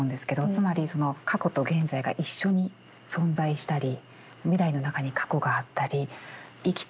つまり過去と現在が一緒に存在したり未来の中に過去があったり行きつ戻りつ